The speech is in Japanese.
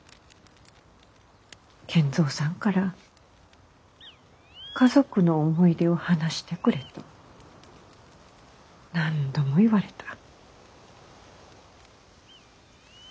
賢三さんから「家族の思い出を話してくれ」と何度も言われた。